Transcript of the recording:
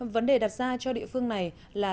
vấn đề đặt ra cho địa phương này là